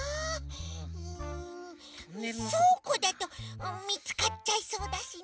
んそうこだとみつかっちゃいそうだしね。